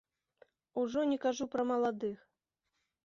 Ужо не кажу пра маладых.